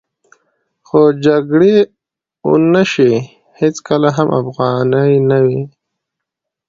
خو جګړې او نشې هېڅکله هم افغاني نه وې.